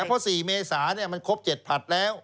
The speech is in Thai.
เพราะ๔เมษามันครบ๗ผลัดแล้ว